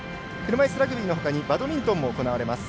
車いすラグビーのほかにバドミントンも行われます。